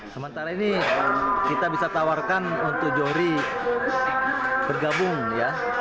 sementara ini kita bisa tawarkan untuk johri bergabung ya